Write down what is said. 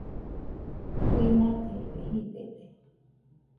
Uinakaibe jidede